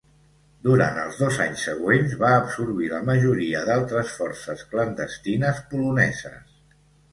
Durant els dos anys següents, va absorbir la majoria d'altres forces clandestines poloneses.